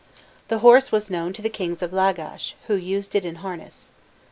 The horse was known to the kings of Lagash, who used it in harness.